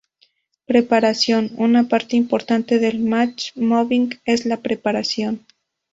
Preparación: Una parte importante del match moving es la preparación.